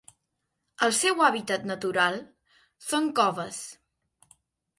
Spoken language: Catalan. El seu hàbitat natural són coves.